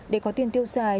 để có tiền tiêu xài